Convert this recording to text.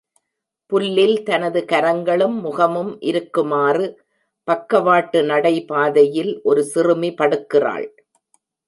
புல்லில் தனது கரங்களும் முகமும் இருக்குமாறு பக்கவாட்டு நடைபாதையில் ஒரு சிறுமி படுக்கிறாள்.